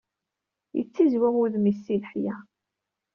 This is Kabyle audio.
Yettizwiɣ wudem-is, si leḥya.